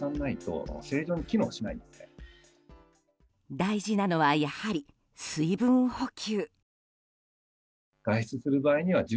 大事なのは、やはり水分補給。